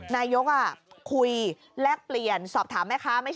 นายกคุยแลกเปลี่ยนสอบถามแม่ค้า